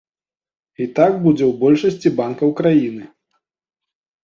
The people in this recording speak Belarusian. І так будзе ў большасці банкаў краіны.